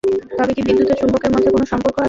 তবে কি বিদ্যুৎ ও চুম্বকের মধ্যে কোনো সম্পর্ক আছে?